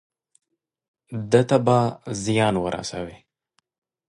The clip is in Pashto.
ده ته به زیان ورسوي.